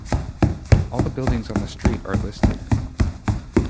All the buildings on the street are listed.